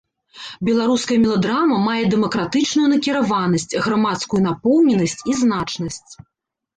Беларуская меладрама мае дэмакратычную накіраванасць, грамадскую напоўненасць і значнасць.